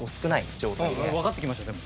わかってきましたでも。